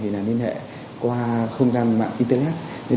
nên lại qua không gian mạng internet